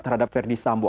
terhadap ferdis sambu